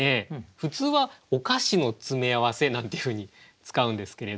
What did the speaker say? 普通は「お菓子の詰め合わせ」なんていうふうに使うんですけれど。